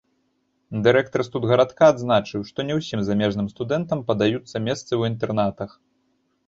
Дырэктар студгарадка адзначыў, што не ўсім замежным студэнтам падаюцца месцы ў інтэрнатах.